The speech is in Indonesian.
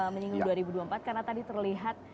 menyinggung dua ribu dua puluh empat karena tadi terlihat